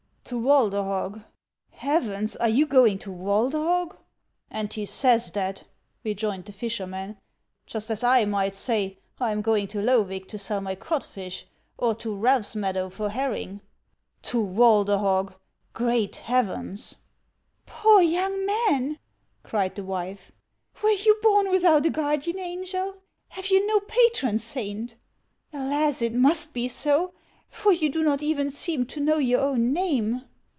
" To Walderhog ! Heavens ! are you going to Wnlcler hog?" 314 HANS OF ICELAND. "And he says that," rejoined the fisherman, "just as I might say I 'in going to Loevig to sell my codfish, or to Ralph's meadow for herring. To Walderhog ! Great Heavens !"" Poor young man !" cried the wife ;" were you born without a guardian angel ? Have you no patron saint ? Alas ! it must be so ; for you do not even seem to know your own name."